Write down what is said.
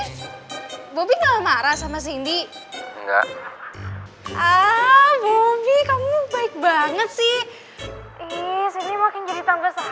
eh bobi gimana kalau nanti kita dinner